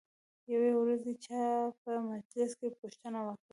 یوې ورځې چا په مجلس کې پوښتنه وکړه.